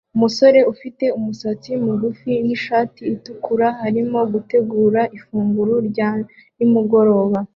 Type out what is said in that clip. Umugore ufite umusatsi mugufi nishati itukura arimo gutegura ifunguro rya nimugoroba